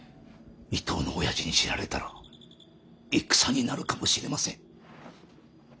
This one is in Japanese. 伊東のおやじに知られたら戦になるかもしれません。